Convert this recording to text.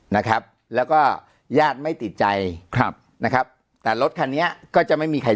นะครับแล้วก็ญาติไม่ติดใจครับนะครับแต่รถคันนี้ก็จะไม่มีใคร